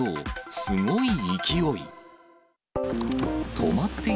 すごい勢い。